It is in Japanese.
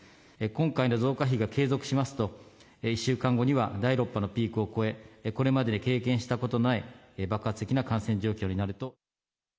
今回の増加比が継続しますと、１週間後には、第６波のピークを超え、これまでに経験したことない爆発的な感染状況になると。